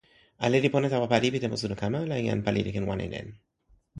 ale li pona tawa pali pi tenpo suno kama la jan pali li ken wan e len.